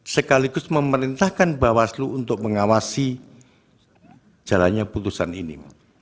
sekaligus memerintahkan bawaslu untuk mengawasi jalannya putusan ini